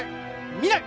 見ない！